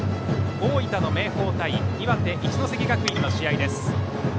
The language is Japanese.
大分の明豊対岩手・一関学院の試合です。